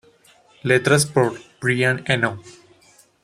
Letras por Brian Eno.